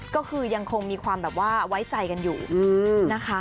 ก็คือยังคงมีความแบบว่าไว้ใจกันอยู่นะคะ